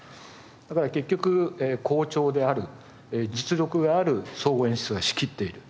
だから結局好調である実力がある総合演出が仕切っている。